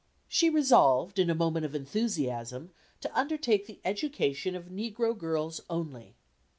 She resolved, in a moment of enthusiasm, to undertake the education of negro girls only.